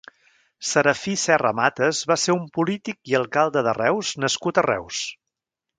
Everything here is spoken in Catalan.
Serafí Serra Matas va ser un polític i alcalde de Reus nascut a Reus.